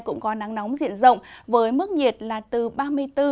cũng có nắng nóng diện rộng với mức nhiệt là từ ba mươi bốn độ